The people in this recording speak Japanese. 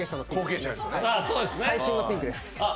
最新のピンクです。